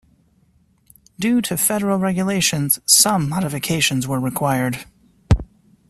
Due to federal regulations, some modifications were required.